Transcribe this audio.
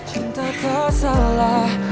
cinta tak salah